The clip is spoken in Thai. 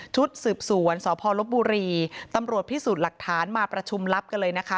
ชุดสืบสวนสพลบุรีตำรวจพิสูจน์หลักฐานมาประชุมรับกันเลยนะคะ